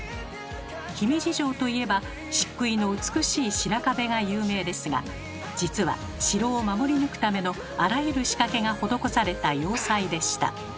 姫路城といえば漆喰の美しい白壁が有名ですが実は城を守り抜くためのあらゆる仕掛けが施された要塞でした。